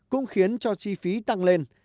cũng khiến cho chi phí tăng lên